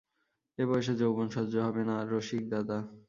এ বয়সে যৌবন সহ্য হবে না রসিকদাদা!